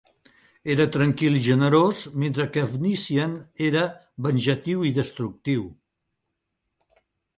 Era tranquil i generós, mentre que Efnisien era venjatiu i destructiu.